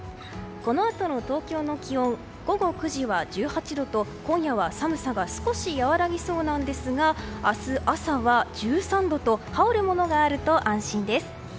このあとの東京の気温午後９時は１８度と今夜は寒さが少し和らぎそうなんですが明日朝は１３度と羽織るものがあると安心です。